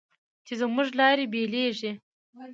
چې زموږ لارې بېلېږي